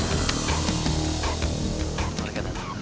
di sini gak boleh ada yang takut